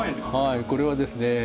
はいこれはですね